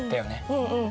うんうん。